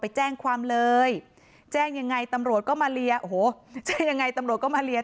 แต่จังหวะที่ผ่านหน้าบ้านของผู้หญิงคู่กรณีเห็นว่ามีรถจอดขวางทางจนรถผ่านเข้าออกลำบาก